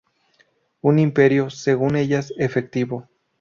Un imperio, según ellas, efectivo.